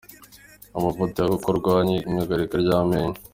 Amavuta ya koko rwanya iyangirika ry’amenyo